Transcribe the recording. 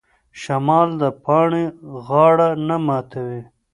شمال د پاڼې غاړه نه ماتوي.